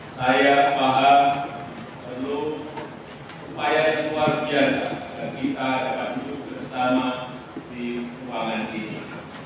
saya paham penuh upaya keluarga dan kita akan duduk bersama di ruangan ini